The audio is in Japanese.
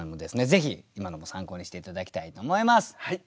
ぜひ今のも参考にして頂きたいと思います。